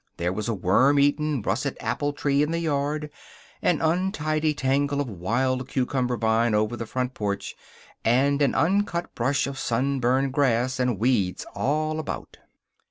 There was a worm eaten, russet apple tree in the yard, an untidy tangle of wild cucumber vine over the front porch, and an uncut brush of sunburned grass and weeds all about.